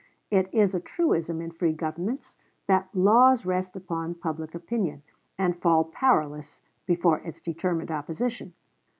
It is a truism in free governments that laws rest upon public opinion, and fall powerless before its determined opposition.